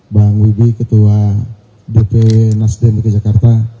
bang wibi ketua dpnasd kejakarta